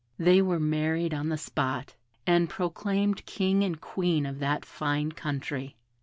They were married on the spot, and proclaimed King and Queen of that fine country.